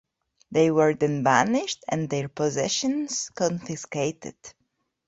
They were then banished and their possessions confiscated.